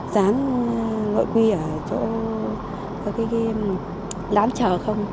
gián gội quy ở chỗ có cái game lám trở không